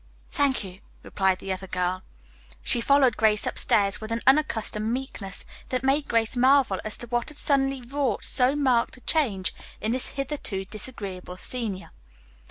"Thank you," replied the other girl. She followed Grace upstairs with an unaccustomed meekness that made Grace marvel as to what had suddenly wrought so marked a change in this hitherto disagreeable senior.